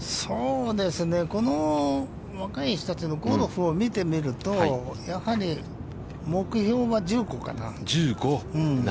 この若い人たちのゴルフを見てみると、やはり目標は１５かな。